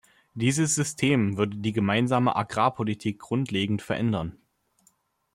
Dieses System würde die Gemeinsame Agrarpolitik grundlegend verändern.